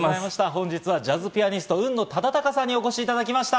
本日はジャズピアニスト・海野雅威さんにお越しいただきました。